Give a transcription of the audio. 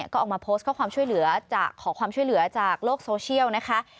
ก็ออกมาโพสต์ข้อความช่วยเหลือจากโลกโซเชียลนะคะ